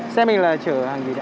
xe mình là chở hàng gì đấy ạ